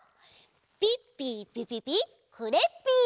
ピッピーピピピクレッピー！